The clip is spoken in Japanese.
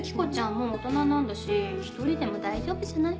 もう大人なんだし１人でも大丈夫じゃない？